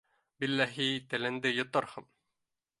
Билләһи, телеңде йоторһоң.